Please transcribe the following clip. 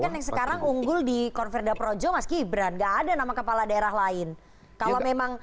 kan yang sekarang unggul di konverda projo mas gibran nggak ada nama kepala daerah lain kalau memang